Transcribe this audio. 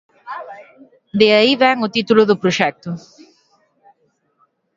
De aí vén o título do proxecto.